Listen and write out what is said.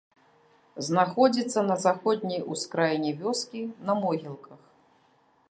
Знаходзіцца на заходняй ускраіне вёскі, на могілках.